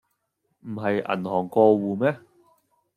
唔係銀行過戶咩?